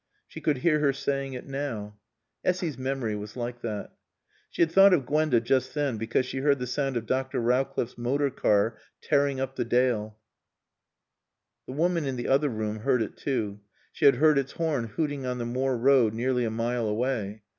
She could hear her saying it now. Essy's memory was like that. She had thought of Gwenda just then because she heard the sound of Dr. Rowcliffe's motor car tearing up the Dale. The woman in the other room heard it too. She had heard its horn hooting on the moor road nearly a mile away.